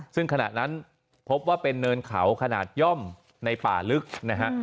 ซึ่งขณะนั้นพบว่าเป็นเนินเขาขนาดย่อมในป่าลึกนะฮะ